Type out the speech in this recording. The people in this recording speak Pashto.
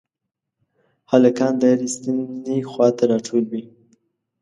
هلکان د هرې ستنې خواته راټول وي.